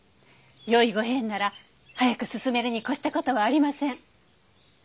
よいご縁なら早く進めるに越したことはありません。